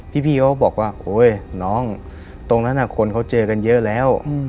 พี่เขาบอกว่าโอ๊ยน้องตรงนั้นคนเขาเจอกันเยอะแล้ว